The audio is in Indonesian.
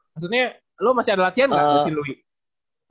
maksudnya lu masih ada latihan gak